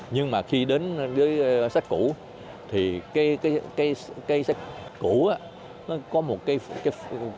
nhưng mà khi đến với sách cũ thì cái sách cũ nó có một cái